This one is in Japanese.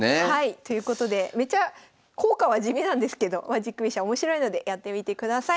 ということでめちゃ効果は地味なんですけどマジック飛車面白いのでやってみてください。